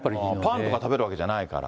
パンとか食べるわけじゃないから。